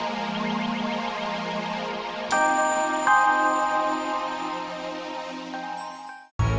dan dengan pak nino